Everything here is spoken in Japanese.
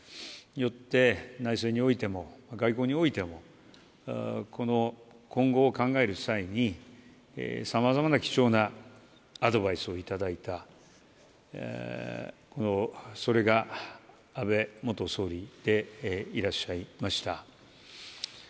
よって、内政においても、外交においても、今後を考える際に、さまざまな貴重なアドバイスを頂いた、それが安倍元総理でいらっしゃいました。